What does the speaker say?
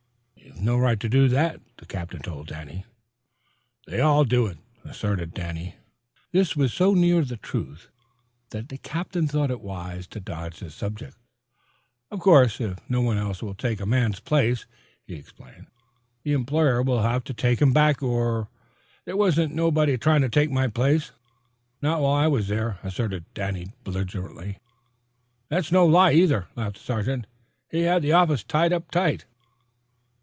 "You've no right to do that," the captain told Danny. "They all do it," asserted Danny. This was so near the truth that the captain thought it wise to dodge the subject. "Of course, if no one else will take a man's place," he explained, "the employer will have to take him back or " "There wasn't nobody tryin' to take my place not while I was there!" asserted Danny belligerently. "That's no lie, either," laughed the sergeant. "He had the office tied up tight."